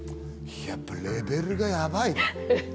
やっぱりレベルがやばいね。